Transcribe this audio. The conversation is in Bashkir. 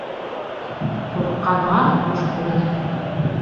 Ҡурҡҡанға ҡуш күренә.